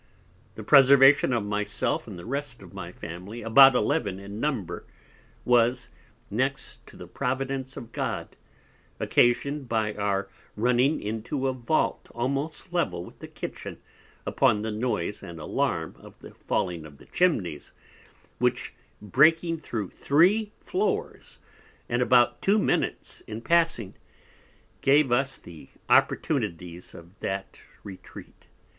The Preservation of my self, and the rest of my Family, about Eleven in Number, was, next to the Providence of God, occasion'd by our running into a Vault almost level with the Kitchen upon the Noise and Alarm of the Falling of the Chimneys, which breaking through three Floors, and about two Minutes in passing, gave us the Opportunities of that Retreat.